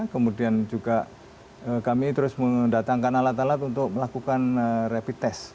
kemudian juga kami terus mendatangkan alat alat untuk melakukan rapid test